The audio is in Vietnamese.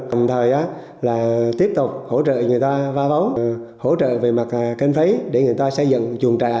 còn thời là tiếp tục hỗ trợ người ta va vóng hỗ trợ về mặt kênh phấy để người ta xây dựng chuồng trại